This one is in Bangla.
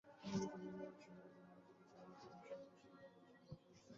প্রজাতি দুটি হলও,